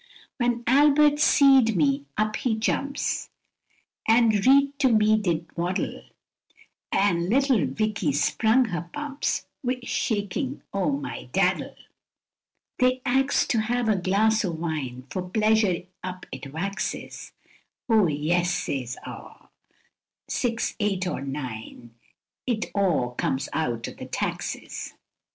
When Albert seed me, up he jumps, an' reet to me did waddle; An' little Vicky sprung her pumps wi' shakin' o' mydaddle; They ax'd to have a glass o' wine, for pleasure up it waxes; O yes, says aw, six eight or nine, it o' comes eaut o'th taxes.